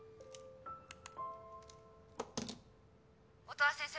音羽先生